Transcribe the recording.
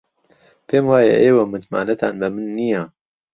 پێم وایە ئێوە متمانەتان بە من نییە.